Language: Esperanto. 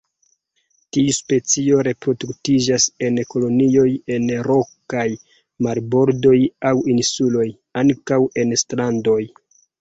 Tiu specio reproduktiĝas en kolonioj en rokaj marbordoj aŭ insuloj, ankaŭ en strandoj.